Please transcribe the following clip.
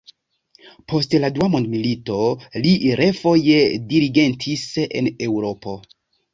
Post la dua mondmilito, li refoje dirigentis en Eŭropo.